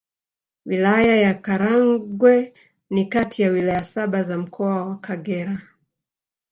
Wilaya ya Karagwe ni kati ya Wilaya saba za Mkoa wa Kagera